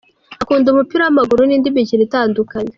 Akunda umupira w’amaguru n’indi mikino itandukanye.